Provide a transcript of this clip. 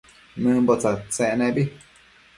Nëmbo tsadtsec nebi